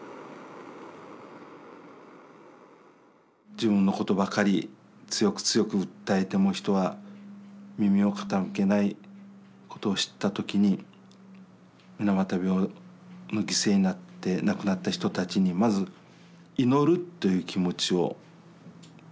自分のことばかり強く強く訴えても人は耳を傾けないことを知った時に水俣病の犠牲になって亡くなった人たちにまず祈るという気持ちを持つことが大切だと。